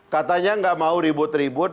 katanya nggak mau ribut ribut